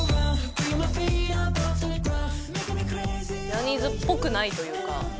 ジャニーズっぽくないというか。